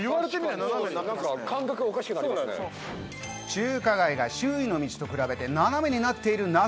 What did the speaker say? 中華街が周囲の道と比べて斜めになっている謎。